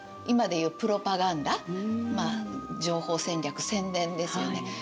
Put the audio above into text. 今で言うプロパガンダ情報戦略宣伝ですよね。